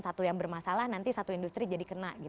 satu yang bermasalah nanti satu industri jadi kena